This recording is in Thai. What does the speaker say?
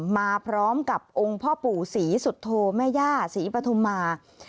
มาพร้อมกับองค์พ่อปู่ศรีสุโธแม่ย่าศรีปฐุมา